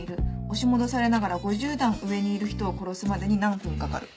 押し戻されながら５０段上にいる人を殺すまでに何分かかる？」。